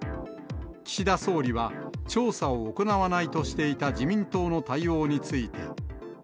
岸田総理は、調査を行わないとしていた、自民党の対応について。